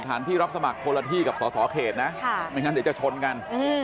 ที่รับสมัครคนละที่กับสอสอเขตนะไม่งั้นเดี๋ยวจะชนกัน